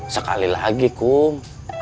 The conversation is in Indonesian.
sekali lagi kum